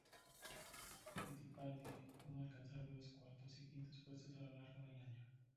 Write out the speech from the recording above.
Fittipaldi pudo alcanzar varios cuartos y quintos puestos a lo largo del año.